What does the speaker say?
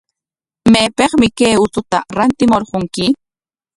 ¿Maypikmi kay uchuta rantimurqunki?